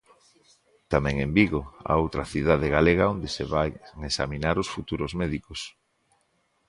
Tamén en Vigo a outra cidade galega onde se van examinar os futuros médicos.